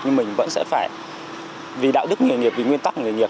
nhưng mình vẫn sẽ phải vì đạo đức nghề nghiệp vì nguyên tắc nghề nghiệp